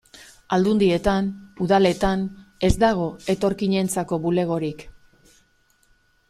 Aldundietan, udaletan, ez dago etorkinentzako bulegorik.